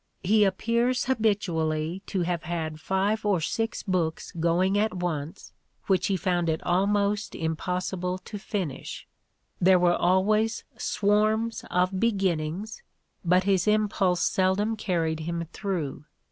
He appears habitually to have had five or six books going at once which he found it almost impossible to finish ; there were always swarms of beginnings, but his impulse seldom carried him through.